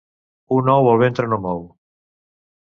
Un ou el ventre no mou.